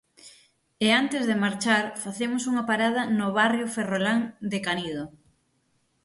E antes de marchar facemos unha parada no barrio ferrolán de Canido.